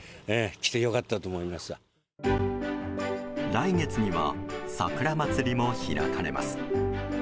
来月には桜まつりも開かれます。